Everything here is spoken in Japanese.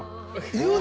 言うな。